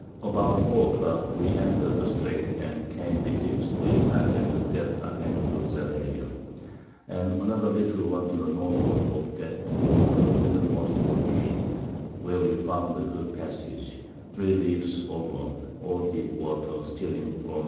About 4 a Clock we enter'd the Streight, and came betwixt the Islands that are next to Zalayer. And another little one to the Northward of that being the middlemost of the three; where we found a good Passage, 3 Leagues over, all deep Water, steering through N.